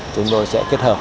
chúng tôi sẽ kết hợp